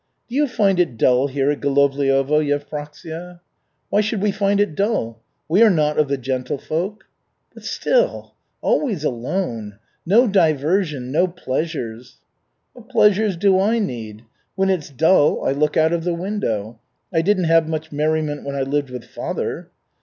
"Do you find it dull here at Golovliovo, Yevpraksia?" "Why should we find it dull? We are not of the gentlefolk." "But still always alone no diversion, no pleasures " "What pleasures do I need? When it's dull, I look out of the window. I didn't have much merriment when I lived with father."